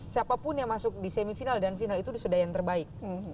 siapapun yang masuk di semifinal dan final itu sudah yang terbaik